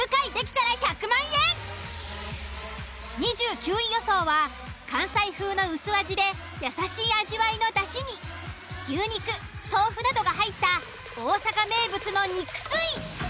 ２９位予想は関西風の薄味で優しい味わいのだしに牛肉豆腐などが入った大阪名物の肉吸い。